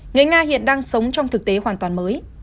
người nga hiện đang sống trong thực tế hoàn toàn mới